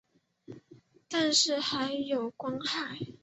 但是还是有光害